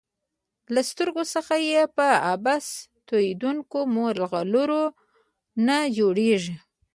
له سترګو څخه یې په عبث تویېدونکو مرغلرو نه جوړیږي.